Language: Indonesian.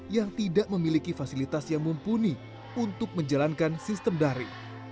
yang tidak memiliki fasilitas yang mumpuni untuk menjalankan sistem dari